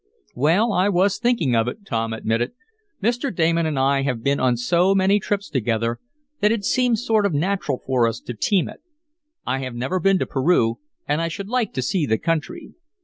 "Well, I was thinking of it," Tom admitted. "Mr. Damon and I have been on so many trips together that it seems sort of natural for us to 'team it.' I have never been to Peru, and I should like to see the country.